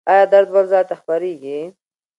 ایا درد بل ځای ته خپریږي؟